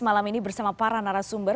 malam ini bersama para narasumber